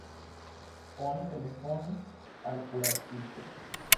Oni telefonis al kuracisto.